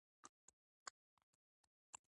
دی نه غواړي چې د کروندګرو په منظره ولاړ شي.